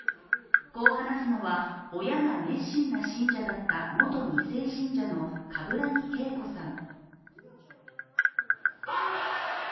こう話すのは、親が熱心だった元２世信者の冠木結心さん。